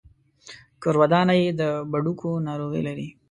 کورودانه يې د بډوګو ناروغي لري.